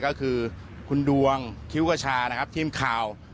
ก็คือคุณดวงคิ้วกชาทีมข่าว